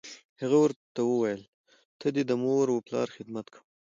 هغه ورته وویل: ته دې د مور و پلار خدمت کوه.